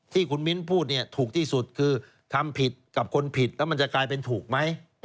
ที่คุณมิ้นพูดเนี่ยถูกที่สุดคือทำผิดกับคนผิดแล้วมันจะกลายเป็นถูกไหม